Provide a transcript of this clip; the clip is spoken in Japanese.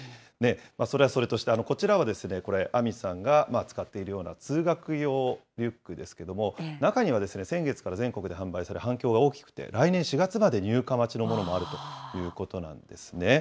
それはそれとして、こちらはこれ、杏美さんが使っているような通学用リュックですけれども、中には先月から全国で販売されて反響が大きくて、来年４月まで入荷待ちのものもあるということなんですね。